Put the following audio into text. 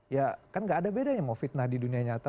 ya kan gak ada bedanya mau fitnah di dunia nyata